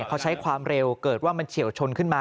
เขาใช้ความเร็วเกิดว่ามันเฉียวชนขึ้นมา